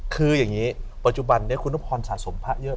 คืออย่างนี้ปัจจุบันนี้คุณนุพรสะสมพระเยอะ